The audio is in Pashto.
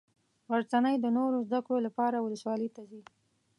غرڅنۍ د نورو زده کړو لپاره ولسوالي ته ځي.